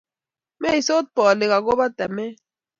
meisot bolik akobo tamet